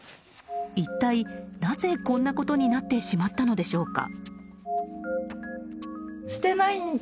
一体なぜ、こんなことになってしまったのでしょうか。